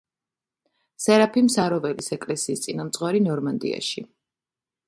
სერაფიმ საროველის ეკლესიის წინამძღვარი ნორმანდიაში.